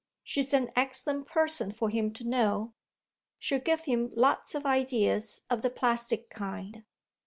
She's an excellent person for him to know; she'll give him lots of ideas of the plastic kind.